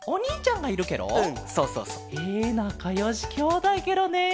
えなかよしきょうだいケロね。